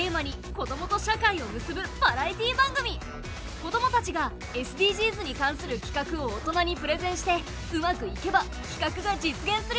子どもたちがＳＤＧｓに関するきかくを大人にプレゼンしてうまくいけばきかくが実現するよ！